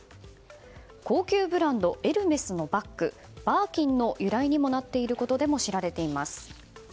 高級ブランド、エルメスのバッグバーキンの由来にもなっていることでも知られています。